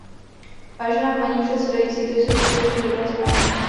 Vážená paní předsedající, to jsou skutečně dobré zprávy.